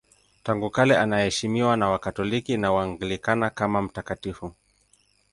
Tangu kale anaheshimiwa na Wakatoliki na Waanglikana kama mtakatifu.